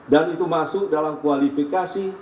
dan itu masuk dalam kualifikasi